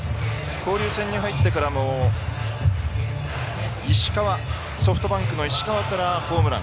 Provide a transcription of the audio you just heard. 交流戦に入ってからもソフトバンクの石川からホームラン。